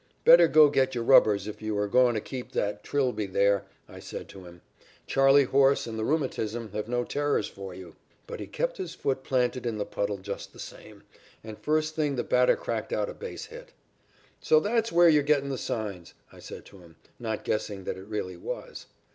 "'Better go get your rubbers if you are goin' to keep that trilby there,' I said to him. 'Charley horse and the rheumatism have no terrors for you.' "But he kept his foot planted in the puddle just the same, and first thing the batter cracked out a base hit. "'So that's where you're gettin' the signs?' I said to him, not guessing that it really was.